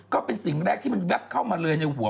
ก็เป็นสิ่งแรกที่มันแป๊บเข้ามาเลยในหัว